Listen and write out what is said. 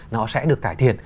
nó sẽ được cải thiện